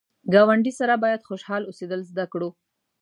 ګاونډي سره باید خوشحال اوسېدل زده کړو